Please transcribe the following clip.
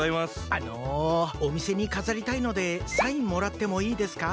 あのおみせにかざりたいのでサインもらってもいいですか？